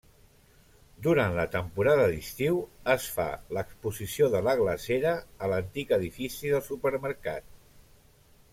Durant la temporada d'estiu, es fa l'Exposició de la Glacera a l'antic edifici del supermercat.